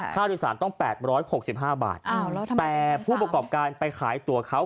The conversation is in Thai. ค่าโดยสารต้อง๘๖๕บาทแต่ผู้ประกอบการไปขายตัวเขา